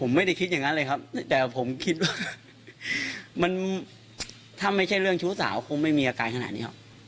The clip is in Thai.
ผมไม่ได้คิดอย่างนั้นเลยครับแต่ผมคิดว่ามันถ้าไม่ใช่เรื่องชู้สาวคงไม่มีอาการขนาดนี้หรอก